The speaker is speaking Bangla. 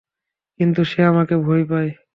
কিন্তু সে তোমাকে ভয় পায়?